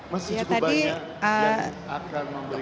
masih cukup banyak